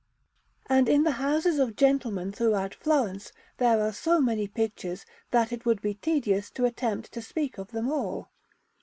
And in the houses of gentlemen throughout Florence there are so many pictures, that it would be tedious to attempt to speak of them all.